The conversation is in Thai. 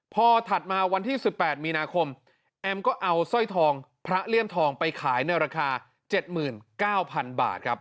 พอถัดมาวันที่สิบแปดมีนาคมแอมก็เอาสร้อยทองพระเลี่ยนทองไปขายในราคาเจ็ดหมื่นเก้าพันบาทครับ